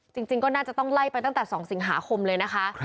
จริงก็น่าจะต้องไล่ไปตั้งแต่๒สิงหาคมเลยนะคะ